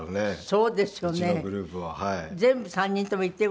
そうですね。